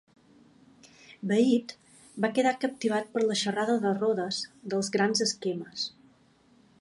Beit va quedar captivat per la xerrada de Rhodes dels "grans esquemes".